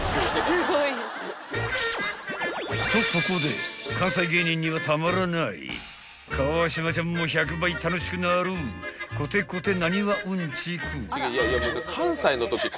［とここで関西芸人にはたまらない川島ちゃんも１００倍楽しくなるこてこて］